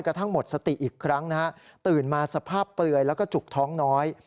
กระทั่งหมดสติอีกครั้งนะฮะตื่นมาสภาพเปลือยแล้วก็จุกท้องน้อย